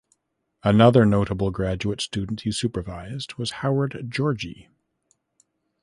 Another notable graduate student he supervised was Howard Georgi.